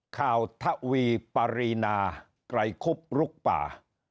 ข่าวทวีปรีนาไกรคุบลุกป่า